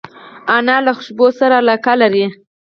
انا له خوشبو سره علاقه لري